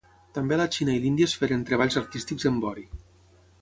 També a la Xina i l'Índia es feren treballs artístics en vori.